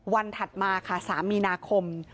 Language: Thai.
ถัดมาค่ะ๓มีนาคม